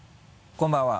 こんばんは。